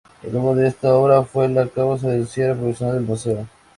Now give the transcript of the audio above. El robo de esta obra fue la causa del cierre "provisional" del museo.